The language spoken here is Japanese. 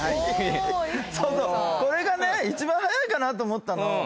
これがね一番早いかなと思ったの。